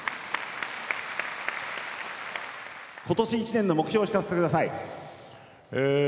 今年１年の目標を聞かせて下さい。